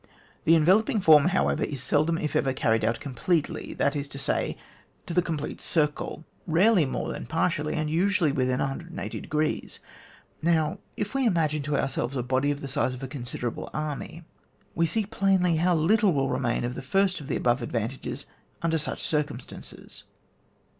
The enveloping form, however, is seldom, if ever, carried out completely, that is to say, to the complete circle, rarely more than partially, and usually within 180°. Now, if we imagine to ourselves a body of the size of a considerable army, we see plainly how little will remain of the first of the above advantages under such cirumstances.